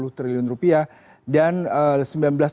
dan sementara itu kita juga mengatakan bahwa kebijakan dari bank indonesia